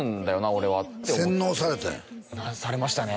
俺は洗脳されたんやされましたね